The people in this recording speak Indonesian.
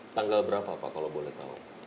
tanggal berapa pak kalau boleh tahu